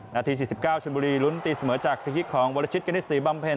นาที๔๙ชนบุรีลุ้นตีเสมอจากฟรีคิกของวรชิตกณิตศรีบำเพ็ญ